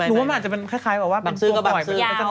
ว่ามันอาจจะเป็นคล้ายแบบว่าบางซื้อก็แบบซื้อ